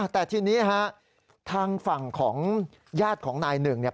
แต่ทีนี้ฮะทางฝั่งของญาติของนายหนึ่งเนี่ย